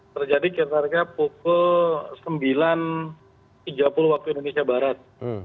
terjadi kira kira pukul sembilan tiga puluh waktu indonesia barat